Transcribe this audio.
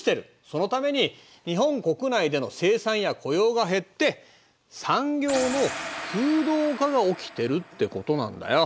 そのために日本国内での生産や雇用が減ってが起きてるってことなんだよ。